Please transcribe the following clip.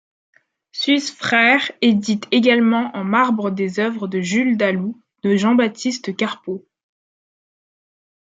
Susse frères édite également en marbre des œuvres de Jules Dalou de Jean-Baptiste Carpeaux.